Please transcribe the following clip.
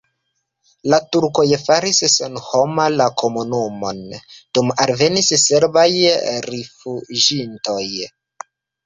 La turkoj faris senhoma la komunumon, dume alvenis serbaj rifuĝintoj.